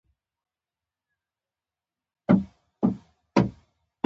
ستاسو ټولو، ښاغليو ښوونکو،